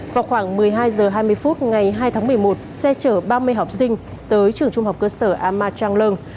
vào khoảng một mươi hai h hai mươi phút ngày hai tháng một mươi một xe chở ba mươi học sinh tới trường trung học cơ sở ama trang lương